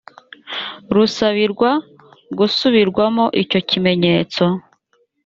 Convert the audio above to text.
rusabirwa gusubirwamo icyo kimenyetso